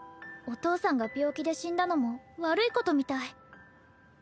お父さんが病気で死んだのも悪いことみたい。